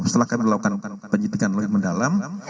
setelah kami melakukan penyidikan lebih mendalam